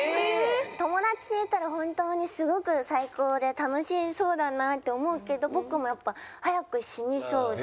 友達にいたら本当にすごく最高で楽しそうだなって思うけど僕もやっぱ早く死にそうで。